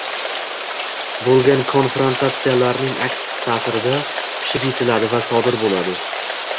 bo‘lgan konfrantatsiyalarning aks ta’sirida pishib yetiladi va sodir bo‘ladi.